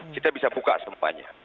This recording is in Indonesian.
kita bisa buka sempanya